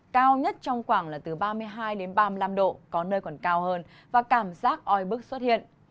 cao nhất trong khoảng là từ ba mươi hai ba mươi năm độ có nơi còn cao hơn và cảm giác oi bức xuất hiện